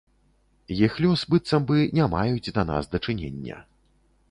Іх лёс быццам бы не маюць да нас дачынення.